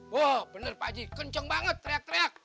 wah bener pak haji kenceng banget teriak teriak